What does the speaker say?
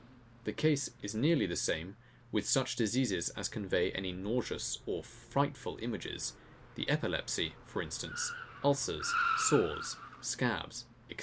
The case is nearly the same with such diseases as convey any nauseous or frightful images; the epilepsy, for instance, ulcers, sores, scabs, &c.